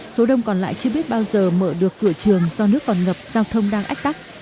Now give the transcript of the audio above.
số đông còn lại chưa biết bao giờ mở được cửa trường do nước còn ngập giao thông đang ách tắc